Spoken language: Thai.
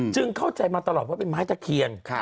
เข้าใจมาตลอดว่าเป็นไม้ตะเคียน